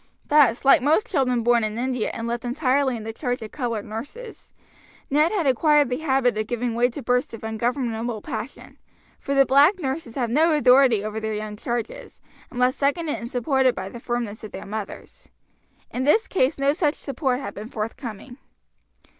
Thus like most children born in India and left entirely in the charge of colored nurses, Ned had acquired the habit of giving way to bursts of ungovernable passion; for the black nurses have no authority over their young charges, unless seconded and supported by the firmness of their mothers. In this case no such support had been forthcoming.